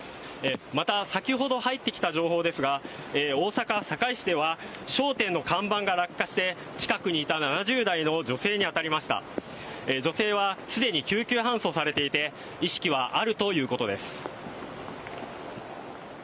また先ほど入ってきた情報ですが大阪の堺市では商店の看板が落下し近くにいた７０代の女性はすでに救急搬送されていて意識はあるということです